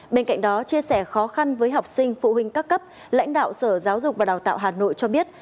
bên cạnh đó chia sẻ khó khăn với học sinh phụ huynh các cấp lãnh đạo sở giáo dục và đào tạo hà nội cho biết